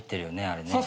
あれね。